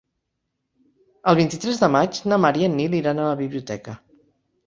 El vint-i-tres de maig na Mar i en Nil iran a la biblioteca.